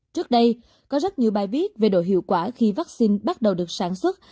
trước đây có rất nhiều bài viết về độ hiệu quả khi vaccine bắt đầu được sản xuất